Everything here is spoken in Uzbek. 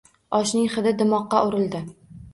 Oshning hidi dimoqqa urildi